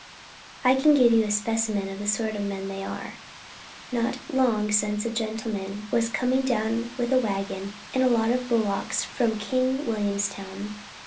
I can give you a specimen of the sort of men they are. Not long since a gentleman was coming down with a waggon and a lot of bullocks from King Williamstown.